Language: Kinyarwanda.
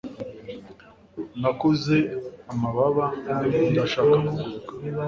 nakuze amababa, ndashaka kuguruka